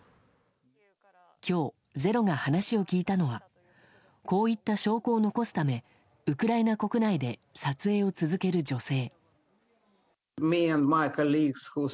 今日、「ｚｅｒｏ」が話を聞いたのはこういった証拠を残すためウクライナ国内で撮影を続ける女性。